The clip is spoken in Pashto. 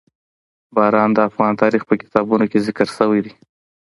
باران د افغان تاریخ په کتابونو کې ذکر شوي دي.